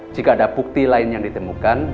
jika ada bukti lain yang ditemukan